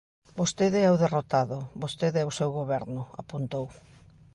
Vostede é o derrotado, vostede e o seu Goberno, apuntou.